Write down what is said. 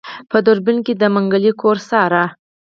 په دوربين کې يې د منګلي کور څاره.